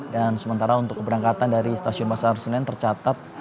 dan sementara untuk keberangkatan dari stasiun pasar senen tercatat